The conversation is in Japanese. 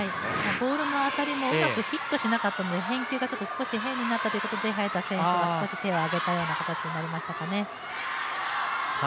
ボールの当たりもよくになかったので、ボールの回りが少し変になったということで、早田選手が手を上げた形になりましたかね。